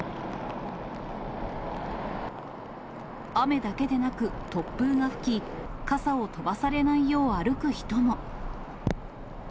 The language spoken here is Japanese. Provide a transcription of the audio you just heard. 雨だけでなく、突風が吹き、傘を飛ばされないよう歩く人も。